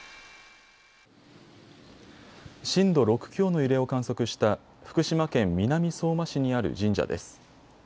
震度６強の揺れを観測した福島県南相馬市にある神社です。